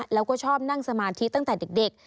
แล้วก็ชอบนั่งสมาธิตั้งแต่เด็ก